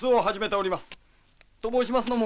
と申しますのも。